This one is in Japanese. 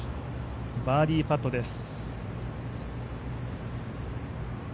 バーディーパットです。